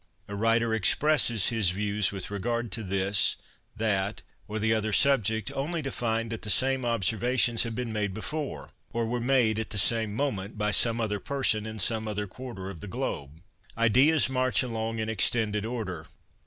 A writer expresses his views with regard to this, that, or the other subject, only to find that the same observations have been made before, or were made at the same moment by some other person in some other quarter of the globe. ' Ideas march along in extended order.